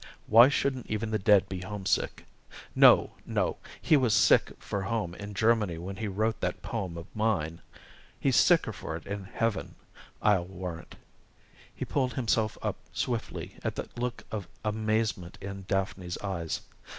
Why shouldn't even the dead be homesick? No, no he was sick for home in Germany when he wrote that poem of mine he's sicker for it in Heaven, I'll warrant." He pulled himself up swiftly at the look of amazement in Daphne's eyes.